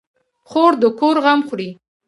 خور د کور غم خوري.